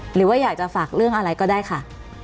หรือว่าอยากจะฝากเรื่องอะไรก็ได้ค่ะ